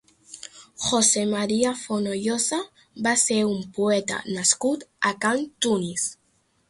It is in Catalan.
José María Fonollosa va ser un poeta nascut a Can Tunis.